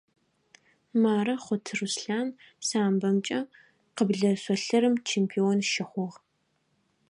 Мары Хъут Руслъан самбомкӀэ къыблэ шъолъырым чемпион щыхъугъ.